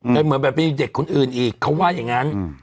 เป็นเหมือนแบบมีเด็กคนอื่นอีกเขาว่าอย่างนั้น